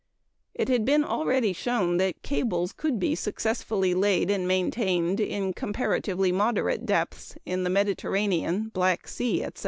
It had been already shown that cables could be successfully laid and maintained in comparatively moderate depths in the Mediterranean, Black Sea, etc.